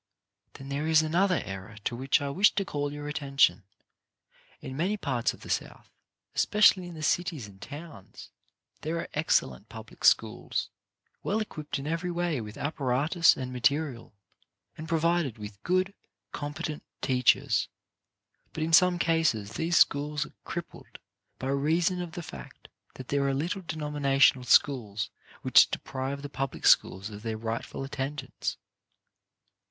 Then there is another error to which I wish to call your attention. In many parts of the South, especially in the cities and towns, there are ex cellent public schools, well equipped in every way with apparatus and material, and provided with good, competent teachers, but in some cases these schools are crippled by reason of the fact that there are little denominational schools which deprive the public schools of their rightful at tendance.